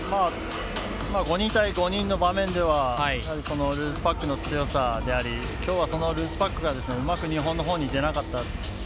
５人対５人の場面ではルーズパックの強さであり今日はそのルーズパックがうまく日本の方に出なかった。